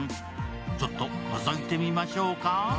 ちょっと、のぞいてみましょうか。